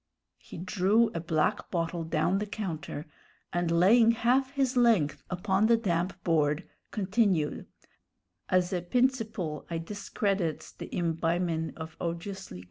He drew a black bottle down the counter, and, laying half his length upon the damp board, continued: "As a p'inciple I discredits de imbimin' of awjus liquors.